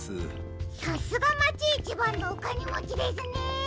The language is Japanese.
さすがまちいちばんのおかねもちですね！